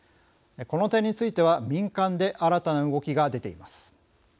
この点については民間で新たな動きが出ています。